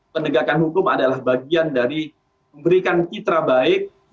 pendegakan hukum adalah bagian dari memberikan kitra baik